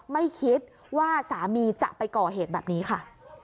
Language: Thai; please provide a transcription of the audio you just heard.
ไม่คิดว่าสามีจะไปก่อเหตุแบบนี้ค่ะ